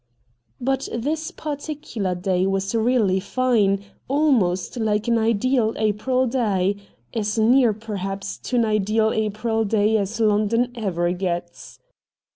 But this particular day was really fine ; almost like an ideal April day ; as near, perhaps, to an ideal April day as London ever gets.